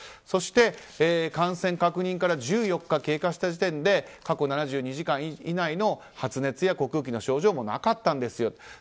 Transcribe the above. そして、感染確認から１４日経過した時点で過去７２時間以内の発熱や呼吸器の症状もなかったんですよと。